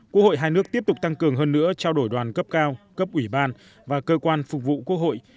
quốc hội hai nước tiếp tục tăng cường hơn nữa trao đổi đoàn cấp cao cấp ủy ban và cơ quan phục vụ quốc hội